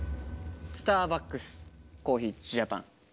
スターバックスコーヒージャパン。